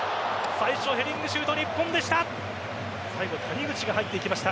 最初ヘディングシュート日本でした。